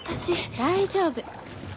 大丈夫。